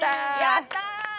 やったー！